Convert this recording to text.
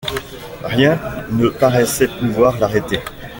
Rien ne paraissait pouvoir l’arrêter.